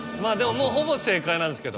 ほぼ正解なんですけど。